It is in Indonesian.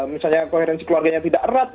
misalnya konferensi keluarganya tidak erat